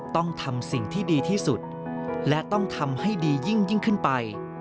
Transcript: ต้องทำสิ่งที่ดีที่สุดและต้องทำให้ดียิ่งขึ้นไป